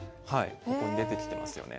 ここに出てきてますよね。